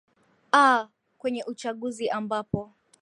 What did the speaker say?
aa kwenye uchaguzi ambapo